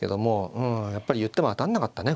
うんやっぱり言っても当たんなかったね